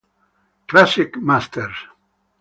Classic Masters